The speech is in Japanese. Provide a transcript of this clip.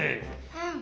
うん。